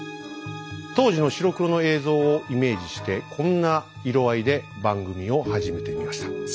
当時の白黒の映像をイメージしてこんな色合いで番組を始めてみました。